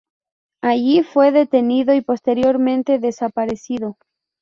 Allí fue detenido y posteriormente desaparecido.